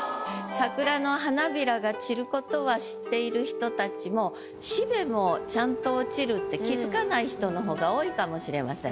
桜の花びらが散ることは知っている人たちもって気づかない人の方が多いかもしれません。